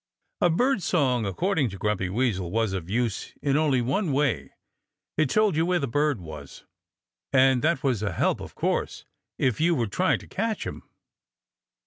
A bird song according to Grumpy Weasel was of use in only one way: it told you where the bird was. And that was a help, of course, if you were trying to catch him.